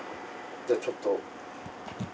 じゃあちょっと。